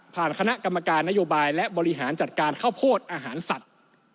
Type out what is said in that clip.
คณะกรรมการนโยบายและบริหารจัดการข้าวโพดอาหารสัตว์